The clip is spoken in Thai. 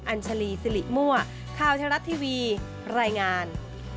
อัญชาลีสิริมั่วข่าวไทยรัฐทีวีรายงาน